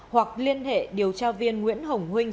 hoặc liên hệ điều tra viên nguyễn hồng huynh